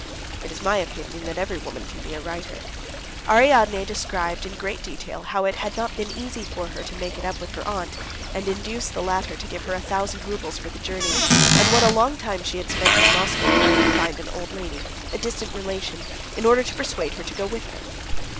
It is my opinion that every woman can be a writer. Ariadne described in great detail how it had not been easy for her to make it up with her aunt and induce the latter to give her a thousand roubles for the journey, and what a long time she had spent in Moscow trying to find an old lady, a distant relation, in order to persuade her to go with her.